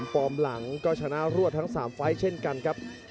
ฟอร์มหลังก็ชนะรวดทั้ง๓ไฟล์เช่นกันครับ